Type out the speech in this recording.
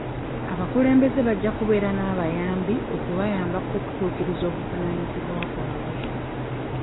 Abakulembeze bajja kubeera n'abayambi okubayambako okutuukiriza obuvunaanyizibwa bwabwe.